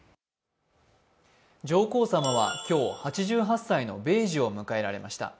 上皇さまは今日、８８歳の米寿を迎えられました。